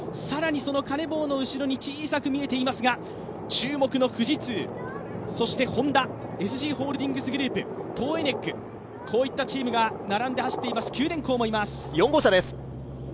更にそのカネボウの後ろに小さく見えていますが注目の富士通、そしてＨｏｎｄａ、ＳＧホールディングスグループ、トーエネックといったチームが並んで走っています、九電工もいます。